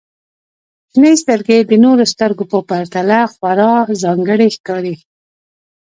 • شنې سترګې د نورو سترګو په پرتله خورا ځانګړې ښکاري.